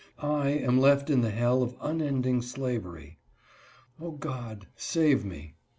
I am left in the hell of unending slavery. 0, God, save me